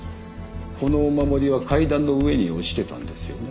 このお守りは階段の上に落ちてたんですよね？